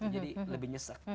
jadi lebih nyesek